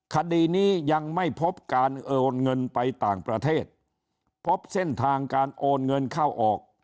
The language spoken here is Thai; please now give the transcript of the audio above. คดีนี้ยังไม่พบการโอนเงินไปต่างประเทศพบเส้นทางการโอนเงินเข้าออก